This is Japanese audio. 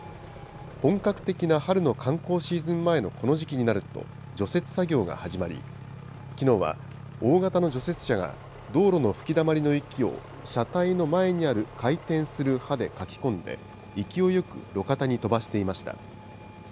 本格的な春の観光シーズン前のこの時期になると除雪作業が始まり、きのうは、大型の除雪車が道路の吹きだまりの雪を、車体の前にある回転する刃でかき込んで、勢いよく路肩に飛ばしていました。